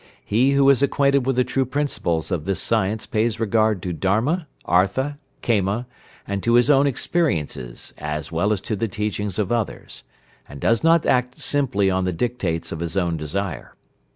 "He who is acquainted with the true principles of this science pays regard to Dharma, Artha, Kama, and to his own experiences, as well as to the teachings of others, and does not act simply on the dictates of his own desire.